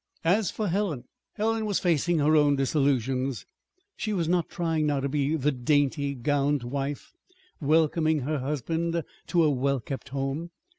As for Helen Helen was facing her own disillusions. She was not trying now to be the daintily gowned wife welcoming her husband to a well kept home.